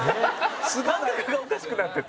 加賀：感覚がおかしくなってて。